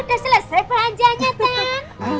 udah selesai pelanjanya kan